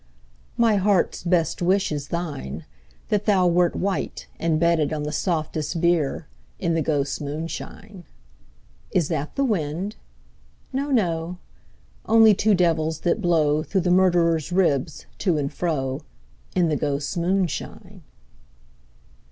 My heart's best wish is thine, — That thou wert white, and bedded On the softest bier. In the ghosts* moonshine. Is that the wind ? No, no ; Only two devils, that blow Through the murderer's ribs to and fro. In the ghosts' moonshine.